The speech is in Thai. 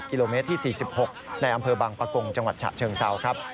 กิโลเมตรที่๔๖ในอำเภอบางปะกงจังหวัดฉะเชิงเซาครับ